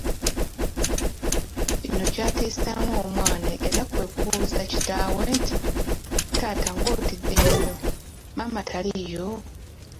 Kino kyatiisaamu omwana era kwe kubuuza kitaawe nti, “Taata ng’otidde nnyo, maama taliiyo?”